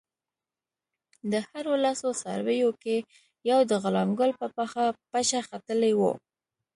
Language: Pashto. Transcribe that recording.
د هرو لسو څارویو کې یو د غلام ګل په پخه پچه ختلی وو.